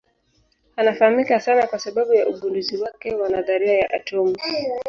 Anafahamika sana kwa sababu ya ugunduzi wake wa nadharia ya atomu.